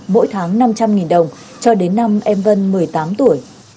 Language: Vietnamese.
mỗi tháng năm trăm linh đồng cho đến năm em vân một mươi tám tuổi